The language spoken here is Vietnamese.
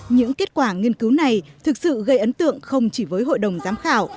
những kết quả nghiên cứu này thực sự gây ấn tượng không chỉ với hội đồng giám khảo